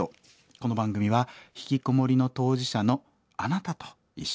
この番組はひきこもりの当事者のあなたと一緒に作るラジオ番組です。